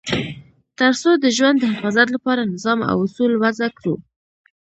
تر څو د ژوند د حفاظت لپاره نظام او اصول وضع کړو.